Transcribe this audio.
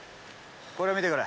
これを見てくれ。